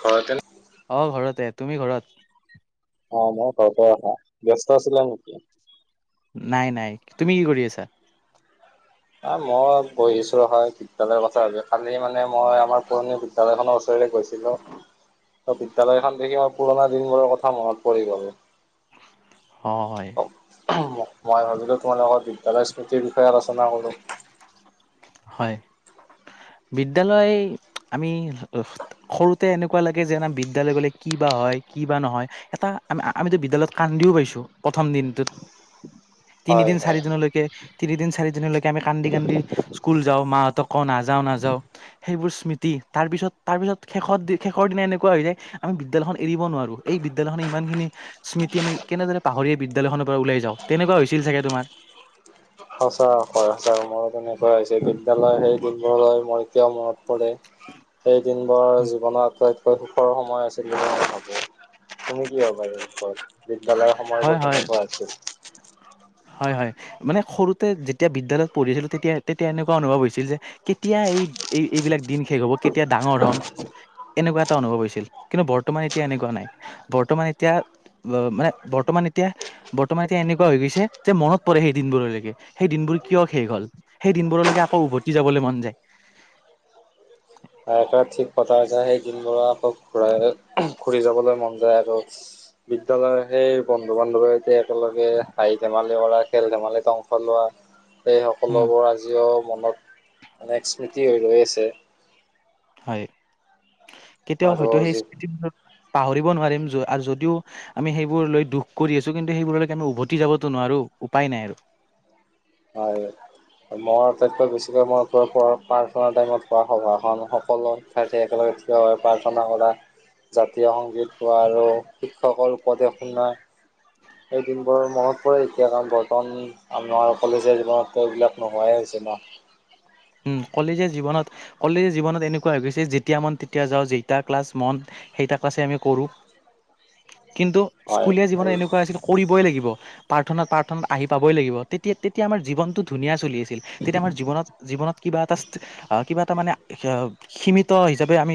ঘৰতে নে? অ' ঘৰতে। তুমি ঘৰত? অ', মই ঘৰতে ৰ'বা। ব্যস্ত আছিলা নেকি? নাই নাই। তুমি কি কৰি আছা? অ' মই বহিছো হয় বিদ্যায়ালয়ৰ কথা ভাবি কালি মানে মই, আমাৰ পুৰণি বিদ্যায়ালয়খনৰ ওচৰলৈ গৈছিলো। ত, বিদ্যালয়খন দেখি মই পুৰণা দিনবোৰৰ কথা মনত পৰি গ'ল। অ, হয়। মই ভাবিলোঁ, তোমালোকৰ বিদ্যালয় স্মৃতিৰ বিষয়ে আলোচনা কৰো। হয়, বিদ্যালয় আমি সৰুতে এনেকুৱা লাগে যেন বিদ্যালয় গ'লে, কি বা হয় কি বা নহয়? এটা আম, আমিতো বিদ্যালয়ত কান্দিও পাইছো, প্ৰথম দিনটোত। [inaudible] হয় তিনিদিন, হয়। চাৰি দিনলৈকে, তিনিদিন চাৰি দিনলৈকে, আমি কান্দি- কান্দি স্কুল যাওঁ। মাহঁতক কওঁ, নাযাও- নাযাও। সেইবোৰ স্মৃতি, তাৰ পিছত, তাৰ পিছত শেষ, শেষৰ দিনা এনেকুৱা হৈ যায়, আমি বিদ্যালয়খন এৰিব নোৱাৰো। এই বিদ্যালয়খনে ইমানখিনি স্মৃতি আমি কেনেদৰে পাহৰী বিদ্যালয়খনৰ পৰা ওলাই যাওঁ। তেনেকুৱা হৈছিল চাগে তোমাৰ? সঁচা হয়, সঁচা মনত এনেকুৱা হৈছে। বিদ্যালয় সেই লগৰবোৰলৈ মই এতিয়াও মনত পৰে। সেই দিনবোৰ জীৱনৰ আটাইতকৈ সুখৰ সময় আছিল বুলি মই ভাবো। তুমি কি ভাবা এই বিষয়ে? বিদ্যালয়ৰ হয় সময়বোৰ হয় কেনেকোৱা আছিল। হয়- হয়, মানে সৰুতে যেতিয়া বিদ্যালয়ত পঢ়িছিলো, তেতিয়া- তেতিয়া এনেকুৱা অনুভৱ হৈছিল যে কেতিয়া এই- এই- এইবিলাক দিন শেষ হ'ব, কেতিয়া ডাঙৰ হম। এনেকুৱা এটা অনুভৱ হৈছিল। কিন্তু বৰ্তমান এতিয়া এনেকুৱা নাই। বৰ্তমান এতিয়া অ, মানে বৰ্তমান এতিয়া, বৰ্তমান এতিয়া, এনেকুৱা হৈ গৈছে যে মনত পৰে সেই দিনবোৰলৈকে। সেই দিনবোৰ কিয় শেষ হল। সেই দিনবোৰলৈকে আকৌ উভতি যাবলৈ মন যায়। আইতাৰ থিক পতা যায়। সেই দিনবোৰ আকৌ ঘূৰাই- ঘূৰি যাবলৈ মন যায় আৰু। বিদ্যালয়ৰ সেই বন্ধু- বান্ধৱী এতিয়া একেলগে হাঁহি ধেমালি কৰা, খেল ধেমালিত অংশ লোৱা, সেই উম সকলোবোৰ আজিও মনত অনেক স্মৃতি হৈ ৰৈ আছে। হয়, কেতিয়াও আৰু হয়তো সেই যি স্মৃতি পাহৰিব নোৱাৰিম। যদিও আৰু যদিও আমি সেইবোৰ লৈ দুখ কৰি আছো। কিন্তু সেইবোৰলৈকে আমি উভতি যাবটো নোৱাৰো, উপায় নাই আৰু। হয়। মোৰ আটাইতকৈ বেছিকৈ মই প্ৰাৰ্থনা টাইমত হোৱা সভাখন, সকলো একেলগে থিয় হয় প্ৰাৰ্থনা কৰা। জাতীয় সংগীত গোৱা আৰু শিক্ষকৰ উপদেশ শুনা। সেই দিনবোৰ মনত পৰে এতিয়া কাৰণ বৰ্তমান আমাৰ কলেজীয়া জীৱনতো এইবিলাক নোহোৱাই হৈছে ন। উম, কলেজীয়া জীৱনত, কলেজীয়া জীৱনত এনেকুৱা হৈ গৈছে, যেতিয়া মন তেতিয়া যাওঁ, যেতিয়া ক্লাছ মন সেইতা ক্লাছে আমি কৰো। কিন্তু হয় স্কুলীয়া জীৱনত হয় এনেকুৱা আছিল, কৰিবই লাগিব। প্ৰাৰ্থনাত, প্ৰাৰ্থনাত আহি পাবই লাগিব। তেতিয়া- তেতিয়া আমাৰ জীৱনটো ধুনীয়া চলি আছিল। তেতিয়া আমাৰ জীৱনত জীৱনত কিবা এটা, কিবা এটা মানে সীমিত হিচাপে আমি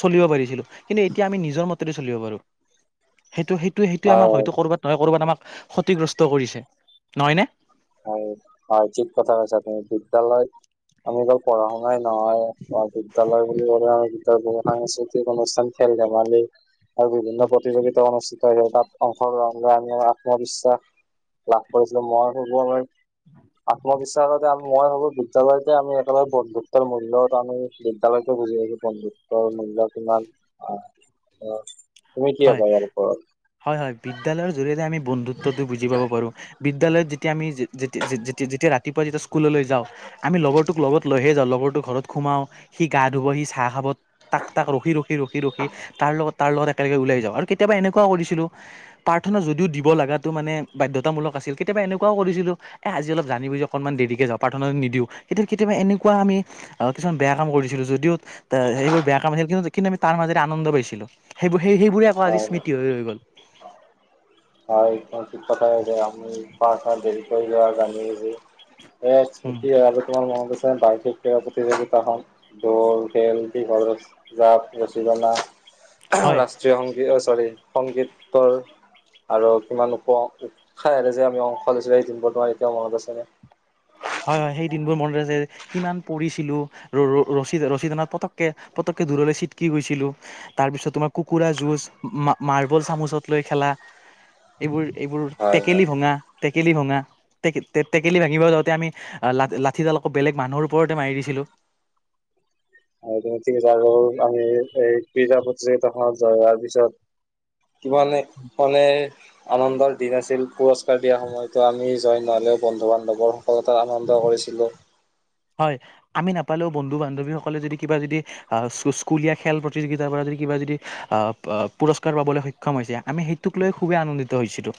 চলিব পাৰিছিলো। কিন্তু এতিয়া আমি নিজৰ মতে চলিব পাৰো। সেইটো, সেইটো, সেইটো হয় আমাৰ হয়তো কৰ'বাত নহয় কৰ'বাত আমাক ক্ষতিগ্ৰস্ত কৰিছে, নহয় নে? হয় হয়, ঠিক কথা কৈছা তুমি। বিদ্যালয়ত আমি অকল পঢ়া শুনাই নহয়, বিদ্যালয় বুলি ক'লে, আমি বিদ্যালয়ত সাংস্কৃতিক অনুষ্ঠান খেল ধেমালি আৰু বিভিন্ন প্ৰতিযোগিতা অনু ষ্ঠানত তাত অংশগ্ৰহণ কৰি আমি আত্মবিশ্বাস লাভ কৰিছিলো। মই ভাবো আমাৰ আত্মবিশ্বাস মই ভাবো বিদ্যালয়তে আমি একেলগে বন্ধুত্বৰ মূল্যত আমি বিদ্যালয়তে বুজি আহিছো। বন্ধু ত্ব মূল্য কিমান আ অ তুমি কি হয় ভাবা ইয়াৰ ওপৰত? হয় হয়, বিদ্যালয়ৰ জৰিয়তে আমি বন্ধুত্বটো বুজি পাব পাৰো। বিদ্যালয়ত যেতিয়া আমি যেতি যেতি যেতিয়া ৰাতিপুৱা যেতিয়া স্কু ললৈ যাওঁ আমি লগৰটোক লগত লৈহে যাওঁ লগৰটোক ঘৰত সোমাওঁ সি গা ধুব সি চাহ খাব তাক তাক ৰখি ৰখি ৰখি ৰখি তাৰ লগত তাৰ লগত একেলগে ওলাই যাওঁ আৰু কেতিয়াবা এনেকুৱা কৰিছিলো প্ৰাৰ্থনা যদিও দিব লগাটো মানে বাধ্যতামূলক আছিল কেতিয়াবা এনেকুৱাও কৰিছিলো এ আজি অলপ জানি বুজি অকমান দেৰিকৈ যাওঁ প্ৰাৰ্থনা নিদিওঁ সেইয়া কেতিয়াবা এনেকুৱা আমি আহ কিছুমান বেয়া কাম কৰিছিলো যদিও আহ সেইবোৰ বেয়া কাম আছিল কিন্তু, কিন্তু আমি তাৰ মাজেৰে আনন্দ পাইছিলো। সেইবোৰ সেইবোৰে আকৌ আজি হয় হয় স্মৃতি হৈ হৈ গ'ল। হয় একম ঠিক কথাই কৈছা। আমি পৰ্থনাত দেৰি কৰি লও জানি বুজি। এ উম। স্মৃতি আৰু তোমাৰ মনত আছে কিবা প্ৰতিযোগিতা হওঁক দৌৰ খেল দীঘল জাপ ৰছী টনা হয় ৰাষ্ট্ৰীয় সংগীত চৰী সংগীতৰ আৰু কিমান উৎসাহেৰে যে আমি অংশ লৈছিলোঁ সেই দিনবোৰ তোমাৰ এতিয়াও মনত আছেনে? হয় হয় সেই দিনবোৰ মনত আছে। কিমান পৰিছিলো ৰ ৰ ৰছী টনাত পটককে পটককে দূৰলৈ চিটকি গৈছিলো। তাৰপিছত তোমাৰ কুকুৰা যুজ মাৰ্বল চামুচত লৈ খেলা এইবোৰ এইবোৰ হয় হয় টেকেলি ভঙা টেকেলি ভঙা টে টেকেলি ভাঙিব যাওঁতে আমি লা লাঠিডাল আকৌ বেলেগ মানুহৰ ওপৰতে মাৰি দিছিলো। আৰু যে আমি এই পিজা প্ৰতিযোগিতা খোৱা যোৱাৰ পিছত মানে মানে আনন্দৰ দিন আছিল পুৰস্কাৰ দিয়া সময়তো আমি জইন নহ'লেও বন্ধু বান্ধৱৰ সকলোতে আনন্দ কৰিছিলো। হয় আমি নাপালেও বন্ধু বান্ধৱীসকলে যদি কিবা যদি আহ স্কুলীয়া খেল প্ৰতিযোগিতাৰ পৰা যদি কিবা যদি আহ পুৰস্কাৰ পাবলৈ স ক্ষম আমি সেইটোক লৈ খুবেই আনন্দিত হৈছিলো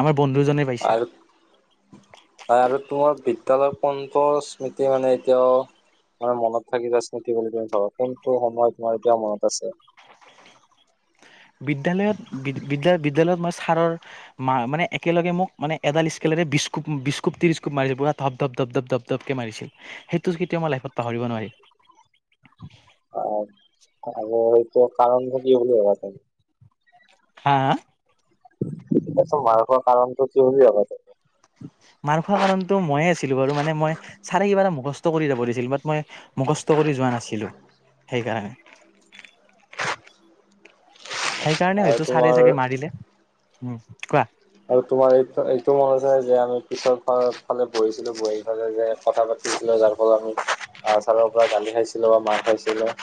আমাৰ বন্ধুজনে পাইছে আৰু হয় আৰু তোমাৰ বিদ্যালয় কোনটো স্মৃতি মানে এতিয়াও তোমাৰ মনত থাকি যোৱা স্মৃতি বুলি তুমি ভাবা কোনটো সময় তোমাৰ এতিয়া মনত আছে? বিদ্যালয়ত বি বিদ্যালয়ত মই ছাৰৰ মা একেলগে মোক মানে এডাল স্কেলেৰে বিশকুব বিশকুপ ত্ৰিশকুপ মাৰিছে পৰা ধাপ ধাপ ধাপ ধাপ। তোকে মাৰিছিল, সেইটো কেতিয়াও মই লাইফত পাহৰিব নোৱাৰিম। অ', আৰু সেইটো কাৰণটো কি বুলি ভাবা হা হা? সেইটো মাৰ খোৱা কাৰণটো কি বুলি ভাবা তুমি। মাৰ খোৱা কাৰণতো ময়ে আছিলো বাৰু মানে মই ছাৰে কিবা এটা মুখস্থ কৰি যাব দিছিল, বাট মই মুখস্থ কৰি যোৱা নাছিলো সেইকাৰণে সেইকাৰণে আৰু হ'য়তো ছাৰে তোমাৰ চাগে মাৰিলে, উম কোৱা। আৰু তোমাৰ এইটো, এইটো মনত আছে যে আমি পিছৰ ফালে বহিছিলো, বহীৰ ফালে যে কথা পাতি পিছেলো যাৰ ফলত, আমি আহ ছাৰৰ পৰা গালি খাইছিলো, মাৰ খাইছিলো।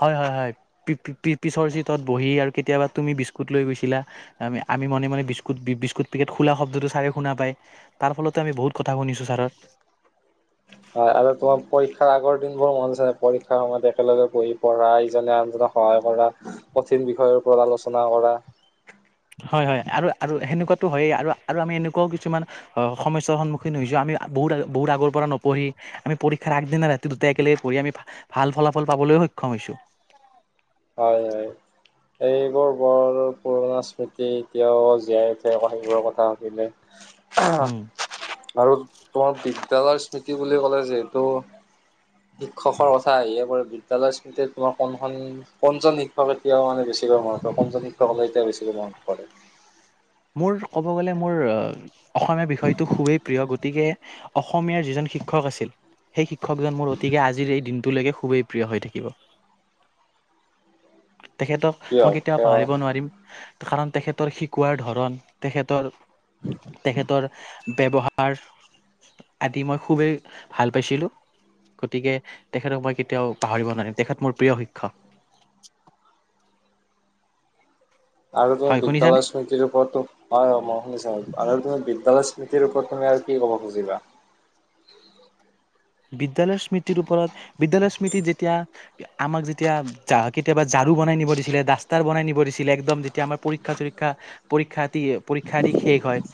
হয় হয় হয়, পি পি পিছৰ চিটত বহি আৰু কেতিয়াবা তুমি বিস্কুট লৈ গৈছিলা আমি, আমি মনে মনে বিস্কুট, বিস্কুট পেকেট খোলা শব্দটো চাৰে শুনা পায় তাৰ ফলতে আমি বহুত কথা শুনিছোঁ ছাৰৰ। হয় আৰু তোমাৰ পৰীক্ষাৰ আগৰ দিন বোৰ মন আছে নে, পৰীক্ষাৰ সময়ত একেলগে বহি পঢ়া ইনজনে আনজক সহায় কৰা, কঠিন বিষয়ৰ ওপৰত আলোচনা কৰা। হয় হয়, আৰু আ, ৰু সেনেকুৱাতো হয়েই আৰু আৰু আমি এনেকুৱাও কিছুমান অ', সমস্যাৰ সন্মুখীন হৈছো, আমি বহুত, বহুত আগৰ পৰা নপঢ়ি আমি পৰীক্ষাৰ আগদিনা ৰাতি দুটাই একেলগে পঢ়ি, আমি ভাল ফলাফল পাবলৈও সক্ষম হৈছোঁ। হয় হয়। সেইবোৰ বৰ পুৰণা স্মৃতি, এতিয়াও জীয়াই উঠে আকৌ সেইবোৰৰ কথা সুধিলে। আহ, উম, আৰু তোমাৰ বিদ্য়ালয়ৰ স্মৃতি বুলি ক'লে যিহেতু শিক্ষকৰ কথা আহিয়ে পৰে, বিদ্যালয় স্মৃতি তোমাৰ কোনখন কোনজন শিক্ষকলৈ এতিয়াও বেছিকে মনত পৰে, কোনজন শিক্ষকলে এতিয়া বেছিকৈ মনত পৰে? মোৰ ক'ব গ'লে মোৰ, অসমীয়া বিষয়টো খুবেই প্ৰিয় গতিকে অসমীয়াৰ যিজন শিক্ষক আছিল, সেই শিক্ষকজন মোৰ অতিকে আজি ৰ এই দিনটোলৈকে খুবেই প্ৰিয় হৈ থাকিব। তেখেতক কিয় মই কেতিয়াও তেওঁ পাহৰিব নোৱাৰিম, কাৰণ তেখেতৰ শিকোৱাৰ ধৰ ণ, তেখেতৰ, তেখেতৰ ব্যৱহাৰ আদি মই খুবেই, ভাল পাইছিলোঁ। গতিকে, তেখেতক মই কেতিয়াও পাহৰিব নোৱাৰিম, তেখেত মোৰ প্ৰিয় শিক্ষক। আৰু তুমি হয় শুনিছানে বিদ্যালয় স্মৃতিৰ ওপৰতো, হয় মই শুনিছো আৰু তুমি বিদ্যালয় নীতিৰ ওপৰত তুমি আৰু কি কব' খুজিবা? বিদ্যালয়ৰ স্মৃতিৰ ওপৰত, বিদ্যায়ালয়ৰ স্মৃতিত যেতিয়া আমাক যেতিয়া কেতিয়াবা ঝাৰু বনাই দিছিলে, ডাষ্টাৰ বনাই নিব দিছিলে, একদম যেতিয়া আমাৰ পৰীক্ষা চৰীক্ষা পৰীক্ষা দি, পৰীক্ষা দি শেষ হয়।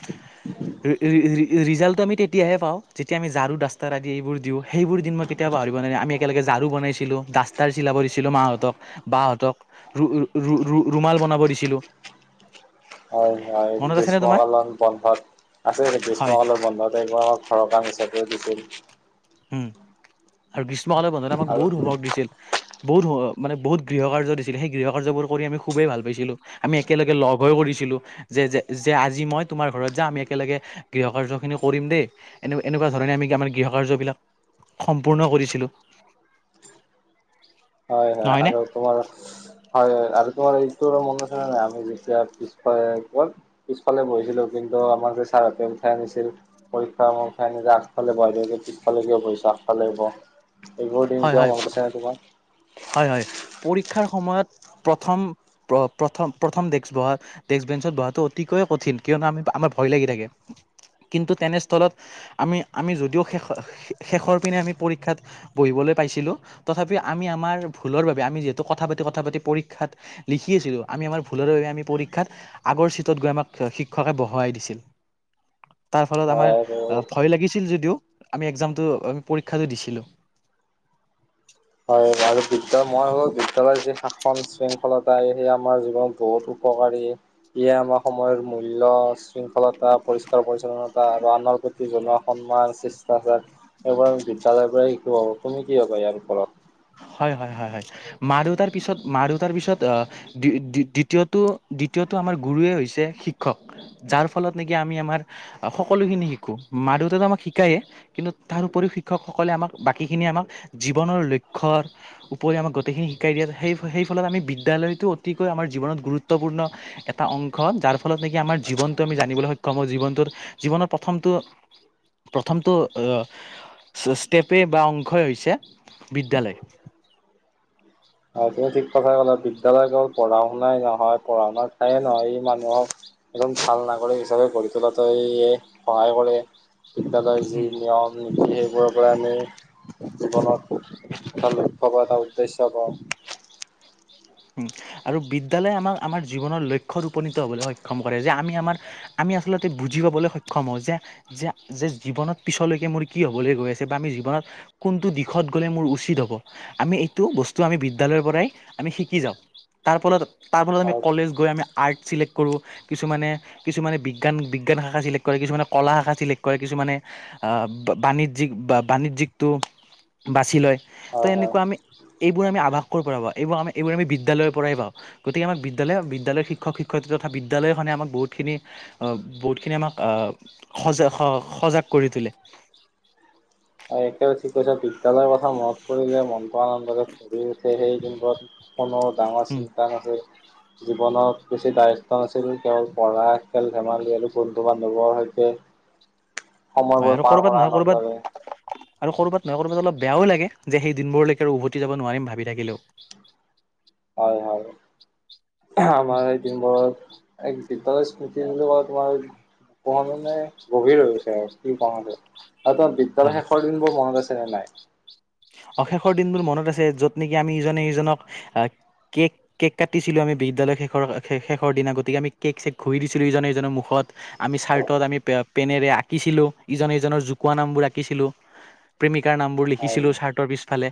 ৰি ৰি ৰি, ৰিজাল্টটো আমি তেতিয়াহে পাওঁ যেতিয়া আমি ঝাৰু ডাষ্টাৰ আদি এইবোৰ দিওঁ, সেইবোৰ দিন মই কেতিয়াওঁ পাহৰিব নোৱাৰিম, আমি একেলগে ঝাৰু বনাইছিলোঁ, ডাষ্টাৰ চিলাব দিছিলোঁ মাহঁতক বাহঁতক, ৰু ৰু ৰু, ৰুমাল বনাব দিছিলো। হয় হয়, গ্ৰীষ্মকালত বন্ধত, আছে হয় গ্ৰীষ্মকালন বন্ধত [unintelligible] ঘৰৰ কাম হিচাপে দিছিল। উম, আৰু গ্ৰীষ্মকাল বন্ধত আমাক আৰু বহুত হুমওৱক দিছিল। বহুত, মানে বহুত গৃহ কাৰ্য দিছিলে, সেই গৃহ কাৰ্যবোৰ কৰি আমি খুবেই ভাল পাইছিলোঁ। আমি একেলগে লগ হৈ কৰিছিলো যে, যে যে আজি মই তোমাৰ ঘৰত যাম আমি একেলগে গৃহ কাৰ্যখিনি কৰিম দেই এনে এনেকুৱা ধৰণে আমি আমাৰ গৃহ কাৰ্যবিলাক, সম্পূৰ্ণ কৰিছিলো। হয়, হয় নহয়নে আৰু তোমাৰ হয় আৰু তোমাৰ এইটো, মনছে নাই আমি যেতিয়া পিছ [inaudible] পিছফালে বহিছিলোঁ, কিন্তু আমাৰ যে ছাৰহঁতে উঠাই আনিছিল। পৰীক্ষা সময়ত যে উঠাই আনি, আগফালে বহাই থৈছিল পিছফালে কিয় বহিছ, আগফালে বহ। এইবোৰ দিন হয় এতিয়াও হয় মন প- আছেনে, তোমাৰ? হয়, হয় পৰীক্ষাৰ সময়ত প্ৰথম, প্ৰথম, প্ৰথম ডেক্স বহাত ডেস্ক বেঞ্চত বহাতটো অতিকৈয়ে কঠিন, কিয়নো আমি আমাৰ ভয় লাগি থাকে, কিন্তু তেনেস্থলত আমি, আমি যদিও শেষ-শেষৰ পিনে আমি পৰীক্ষাত বহিবলৈ পাইছিলোঁ, তথাপিও আমি আমাৰ ভুলৰ বাবে, আমি যিহেতু কথা পাতি, কথা পাতি, পৰীক্ষাত লিখি আছিলো, আমি আমাৰ ভুলৰে বাবে আমি পৰীক্ষাত আগৰ চিটত গৈ আমাক শিক্ষকে বহুৱাই দিছিল, তাৰ ফলত আমাৰ হয় আৰু ভয় লাগিছিল যদিও, একজামটো পৰীক্ষাটো দিছিলো। হয় বাৰু বিদ্য মই হ'ল, বিদ্যালয়ৰ যি শাসন, শৃংখলতা সেইয়া আমাৰ জীৱনত বহুতো উপকাৰী এয়া, আমাৰ সময়ৰ মূল্যৰ। শৃংখলতা পৰিষ্কাৰ, পৰিচ্ছন্নতা আৰু আনৰ প্ৰতি জনোৱা সন্মান চেষ্টাচাৰ এইবাৰ বিদ্যালয়ৰ শিকো, তুমি কি কবা ইয়াৰ ওপৰত? হয়, হয়, হয়, হয়, মাৰ দেউতাৰ, পিছত মাৰ দেউতাৰ পিছত অ, দ্বিতীয়টো-দ্বিতীয়টো আমাৰ গুৰুৱে হৈছে শিক্ষক। যাৰ ফলত নেকি, আমি আমাৰ সকলোখিনি শিকো, মা- দেউতটো আমাক শিকায়েই। কিন্তু তাৰ উপৰিও শিক্ষক সকলে আমাক বাকীখিনি আমাক জীৱনৰ লক্ষ্য উপৰিও আমাক গোইখিনি শিকাই দিয়ে, সেই সেইফলত আমি বিদ্যালয়টো অতিকৈ আমাৰ জীৱনত গুৰুত্বপূৰ্ণ এটা অংশ যাৰ ফলত নেকি আমাৰ জীৱনটো আমি জানিবলৈ সক্ষম হও, জীৱনটোৰ জীৱনৰ প্ৰথমটো প্ৰথমটো ইপ্ষ্টেই বা অংশই হৈছে বিদ্যালয়। হয়, তুমি ঠিক কথাই ক'লা, বিদ্যালয় হ'ল পঢ়া শুনাই নহয়, পঢ়া শুনাৰ ঠাইয়ে নহয়, ই মানুহক একদম ভাল নাগৰিক হিচাপে, গঢ়ি তোলাতে ইয়ে, সহায় কৰে। বিদ্যালয় যি নিয়ম, নীতি সেইবোৰৰ পৰা আমি জীৱনত এটা, লক্ষ্য পোৱা এটা উদ্দেশ্য পাওঁ। উম, আৰু বিদ্যালয়ে আমাক, আমাৰ জীৱনৰ লক্ষ্যত উপনীত হ'বলৈ সক্ষম কৰে, যে আমি আমাৰ আমি আচলতে বুজি পাবলৈ সক্ষম হওঁ, যে যে, যে, জীৱনত পিছলৈকে মোৰ কি হ'বলৈ গৈ আছে বা আমি জীৱনত কোনটো দিশত গ'লে মোৰ উচিত হ'ব, আমি এইটো বস্তু আমি বিদ্যালয়ৰ পৰাই আমি, শিক কি যাওঁ, তাৰ ফলত তাৰ ফলত আমি আৰু কলেজ গৈ আমি আৰ্ট চিলেক্ট কৰোঁ। কিছুমানে, কিছুমানে বিজ্ঞান, বিজ্ঞান শাখা চিলেক্ট কৰে, কিছুমানে কলা শাখা চিলেক্ট কৰে কিছুমানে আহ, বাণিজ্যিক বা বাণিজ্যিকটো। বাছি লয়, তো, হয় হয় এনেকুৱা আমি এইবোৰ আমি আভাস কৰ পৰা পাওঁ এইবোৰ আমি এইবোৰ আমি বিদ্যালয়ৰ পৰাই পাওঁ। গতিকে আমাক বিদ্যালয়, বিদ্যালয়ৰ শিক্ষক-শিক্ষয়িত্ৰী তথা বিদ্যালয়খনে আমাক বহুতখিনি আহ, বহুতখিনি আমাক আ, সজাগ-সজাগ কৰি তোলে। আৰু একেবাৰে ঠিক কথা। বিদ্যালয়ৰ কথা মনত পৰিলে মনতো আনন্দৰে ভৰি উঠে, সেই দিনবোৰ কোনো, ডাঙৰ উম চিন্তা নাছিল। জীৱনত বেছি দায়িত্ব নাছিল, কেৱল পঢ়া খেল-ধেমালি আৰু বন্ধু-বান্ধৱৰ সৈতে হয় সময়বোৰ আৰু পাৰ ক'ৰবাত কৰা, নহয় ক'ৰবাত আনন্দৰে। আৰু ক'ৰবাত নাই ক'ৰবাত অলপ বেয়ও লাগে, যে সেই দিনবোৰলৈকে উভতি যাব নোৱাৰিম ভাবি থাকিলেও। হয়, হয়, আমাৰ এই দিনবোৰ এক বিদ্যালয় স্মৃতি বুলি কলে তোমাৰ পঢ়া শুনাই গভীৰ হৈ গৈছে আউ কি কম আৰু আৰু তোমাৰ হয় বিদ্যালয় শেষৰ দিন বোৰ মনত আছেনে নাই? অ', শেষৰ দিনবোৰ মনত আছে যত নেকি আমি ইজনে সিজনক আ, কেক কেক কাটিছিলোঁ আমি বিদ্যালয় শেষৰ হে শেষৰ দিনা গতিকে আমি কে'ক চেক ঘহি দিছিলোঁ ইজনে ইজনৰ মুখত। আমি চাৰ্টত আমি পে-পেনেৰে আঁকিছিলো ইজনে সিজনৰ জুকোৱা নামবোৰ আঁকিছিলো। প্ৰেমিকাৰ নাম বোৰ হয় লিখিছিলো চাৰ্টৰ পিছফালে।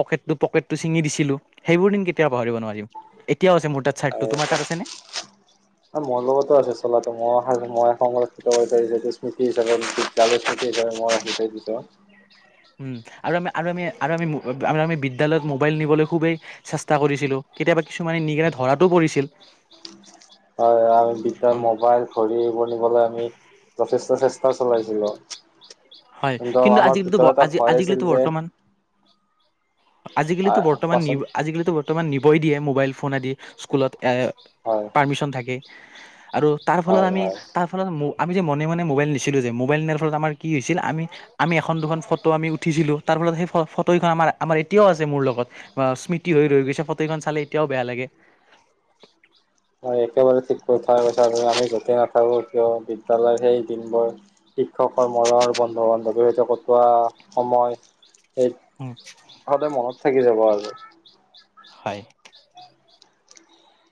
পকেতটো পকেতটো ছিঙি দিছিলো, সেইবোৰ দিন কেতিয়াও পাহৰিব নোৱাৰিম। এতিয়াও আছে মোৰ তাত চাৰ্টটো, তোমাৰ তাত আছে নে? এ মৰ লগতো আছে চোলাটো মই মই সংৰক্ষিত কৰি [unintelligible] স্মৃতি হিচাপে। [unintelligible] [inaudible] উম, আৰু আমি আৰু আমি আৰু আমি [unintelligible] আমি বিদ্যালয়ত মোবাইল নিবলৈ খুবেই চেষ্টা কৰিছিলোঁ, কেতিয়াবা কিছুমানে নিকেনে ধৰাতো পৰিছিল। হয় আমি ভিতৰত উম, ম'বাইল ঘড়ী এইবোৰ নিবলে আমি যথেষ্ট চেষ্টা চলাইছিলোঁ। হয়, কিন্তু আজি টো আজিকালিতো আজি আছিল আজিকালিতো যে বৰ্তমান আজিকালিতো বৰ্তমান কোৱাচোন নিৱ আজিকালিতো বৰ্তমান নিবই দিয়ে মোবাইল ফোন আদি স্কুলত এ, হয় পাৰ্মিচন থাকে। আৰু তাৰ ফলত হয় আমি হয়। তাৰ ফলত ম আমি যে মনে মবাইল নিছিলো যে মবাইল নিয়াৰ ফলত আমাৰ কি হৈছ ছিল আমি আমি এখন দুখন ফটো আমি উঠিছিলোঁ তাৰ ফলত সেই ফ ফটোখন আমাৰ আমাৰ এতিয়াও আছে মোৰ লগত। বা স্মৃতি হৈ ৰৈ গৈছে ফটোখন চালে এতিয়াও বেয়া লাগে। হয় একেবাৰে ঠিক ক থ কৈছ আমি গতেই নাথাকো কিয় বিদ্যয়ালয়ৰ সেই দিনবোৰ। শিক্ষকৰৰ্মৰৰ বন্ধু বান্ধৱীৰ সৈতে কটোৱা সময়। উম। তে মনত থাকি যাব আৰু। হয়।